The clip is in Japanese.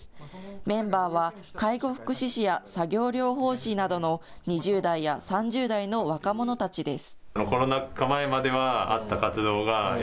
メンバーは介護福祉士や作業療法士などの２０代や３０代の若者たちです。